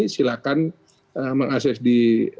silakan mengakses di